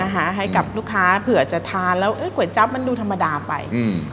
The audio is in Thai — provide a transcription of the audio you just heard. ให้กับลูกค้าเผื่อจะทานแล้วก๋วยจั๊บมันดูธรรมดาไป